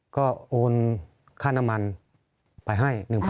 ก็โอนค่าน้ำมันไปให้๑๐๐๐